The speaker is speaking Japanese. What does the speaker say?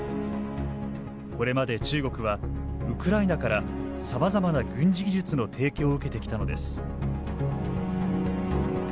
これまで中国はウクライナからさまざまな軍事技術の提供を受けてきたのです。